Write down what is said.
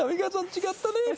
違ったね。